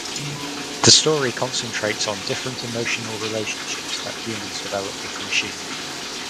The story concentrates on different emotional relationships that humans develop with machines.